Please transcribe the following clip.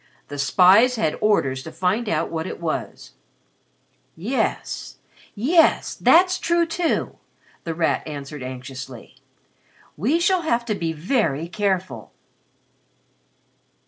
The spies had orders to find out what it was." "Yes. Yes. That's true, too!" The Rat answered anxiously. "We shall have to be very careful."